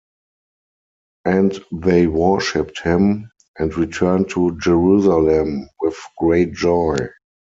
And they worshiped him, and returned to Jerusalem with great joy.